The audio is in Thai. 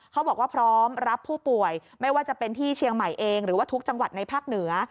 เขาบอกว่าพร้อมรับผู้ป่วยไม่ว่าจะเป็นที่เชียงใหม่เองหรือว่าทุกจังหวัดในภาคเหนือ